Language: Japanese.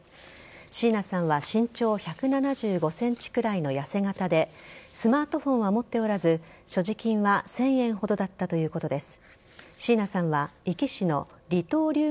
椎名さんは身長１７５ｃｍくらいのやせ形でスマートフォンは持っておらず所持金は１０００円ほどだったということです。